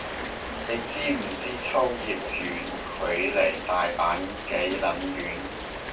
你知唔知秋葉原距離大阪幾撚遠